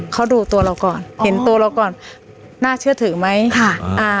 เขาดูตัวเราก่อนเห็นตัวเราก่อนน่าเชื่อถือไหมค่ะอ่า